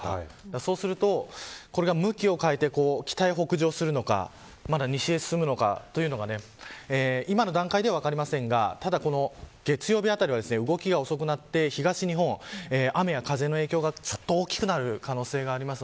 そうすると向きを変えて北へ北上するのかまだ西へ進むのかというのが今の段階では分かりませんが月曜日あたりは動きが遅くなって、東日本雨や風の影響が大きくなる可能性があります。